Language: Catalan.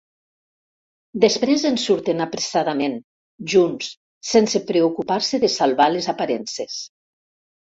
Després en surten apressadament, junts, sense preocupar-se de salvar les aparences.